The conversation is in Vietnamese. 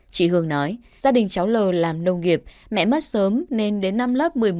chị hương nói gia đình cháu l làm nông nghiệp mẹ mất sớm nên đến năm lớp một mươi một